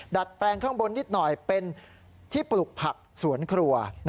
ดัดแปลงข้างบนนิดหน่อยเป็นที่ปลูกผักสวนครัว